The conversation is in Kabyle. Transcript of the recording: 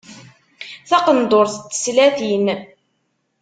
Taqendurt n teslatin.